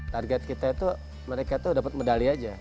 target kita itu mereka tuh dapat medali aja